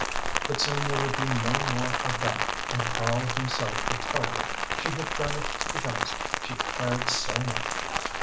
But soon there would be no more of that, and Karl himself would tell her she had done it because she cared so much.